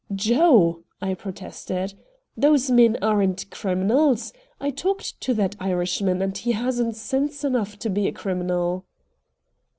"Joe!" I protested. "Those men aren't criminals. I talked to that Irishman, and he hasn't sense enough to be a criminal."